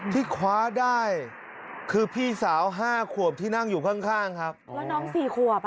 ที่คว้าได้คือพี่สาวห้าขวบที่นั่งอยู่ข้างข้างครับแล้วน้องสี่ขวบ